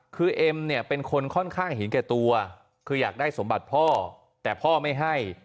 คือเอ็มเนี่ยเป็นคนค่อนข้างเห็นแก่ตัวคืออยากได้สมบัติพ่อแต่พ่อไม่ให้